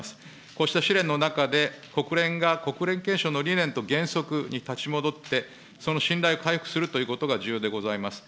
こうした試練の中で、国連が国連憲章の理念と原則に立ち戻って、その信頼回復をするということが重要でございます。